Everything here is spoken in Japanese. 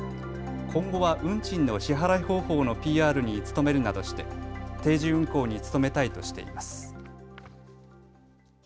今後は運賃の支払い方法のＰＲに努めるなどして定時運行に努めたいとしています。